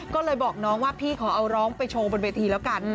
ก็เลยบอกน้องว่าพี่ขอเอาร้องไปโชว์บนเวทีแล้วกัน